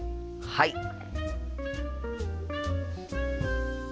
はい。